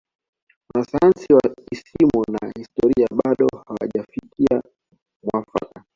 Wanasayansi wa isimu na historia bado hawajafikia mwafaka